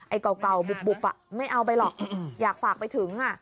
เก่าบุบไม่เอาไปหรอกอยากฝากไปถึง